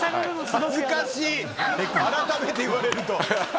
恥ずかしい、改めて言われると。